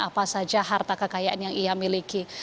apa saja harta kekayaan yang ia miliki